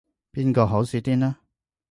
邊個好食啲呢